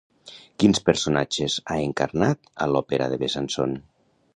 Quins personatges ha encarnat a l'Òpera de Besançon?